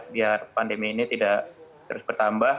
biar pandemi ini tidak terus bertambah